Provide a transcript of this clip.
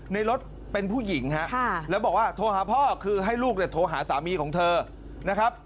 ในรถเป็นผู้หญิงฮะแล้วบอกว่าโทรหาพ่อคือให้ลูกเนี่ยโทรหาสามีของเธอนะครับ